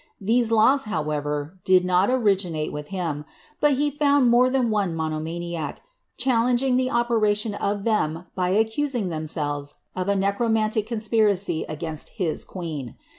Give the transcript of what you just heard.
These laws, however, did not originate with him ; but he found more than one monomaniac, challenging the operation of them by accusing themselTes ' of a necromantic conspiracy against his queen.